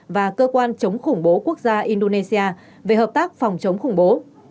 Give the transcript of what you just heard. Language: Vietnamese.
và cơ quan chống khủng bố quốc gia indonesia về hợp tác phòng chống khủng bố